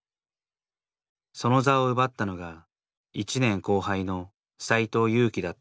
その座を奪ったのが１年後輩の斎藤佑樹だった。